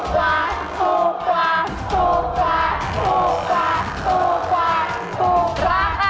๔๕บาท